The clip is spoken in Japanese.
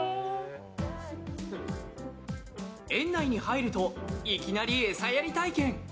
園内に入るといきなり餌やり体験。